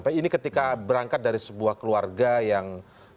apakah ini ketika berangkat dari sebuah keluarga yang terlibat